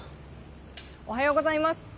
おはようございます。